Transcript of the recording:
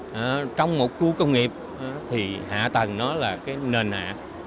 hạ tầng trong một khu công nghiệp thì hạ tầng nó là cái nền hạ